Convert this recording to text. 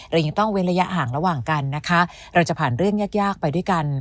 เรายังต้องเว้นระยะห่างระหว่างกันนะคะเราจะผ่านเรื่องยากยากไปด้วยกัน